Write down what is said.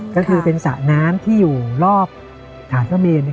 ก็คือเป็นสระน้ำที่อยู่รอบฐานพระเมน